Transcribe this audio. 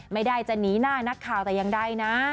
ไม่ได้จะหนีหน้านักข่าวแต่อย่างใดนะ